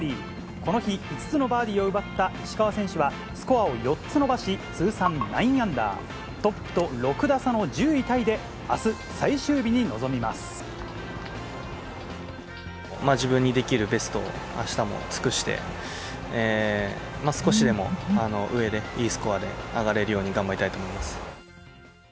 この日５つのバーディーを奪った石川選手は、スコアを４つ伸ばし、通算ナインアンダー、トップと６打差の１０位タイであす、最終日自分にできるベストをあしたも尽くして、少しでも上で、いいスコアで上がれるように頑張りたいと思います。